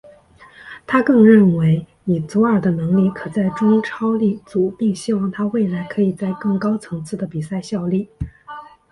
他更认为以祖尔的能力可在中超立足并希望他未来可以在更高层次的比赛效力。